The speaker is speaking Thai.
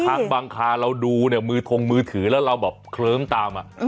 บางคาเราดูเนี่ยมือทงมือถือแล้วเราแบบเคลิ้มตาม